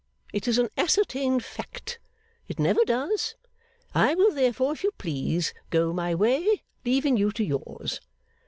It is an ascertained fact. It never does. I will therefore, if you please, go my way, leaving you to yours.